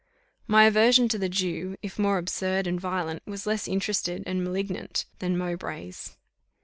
My aversion to the Jew, if more absurd and violent, was less interested and malignant than Mowbray's.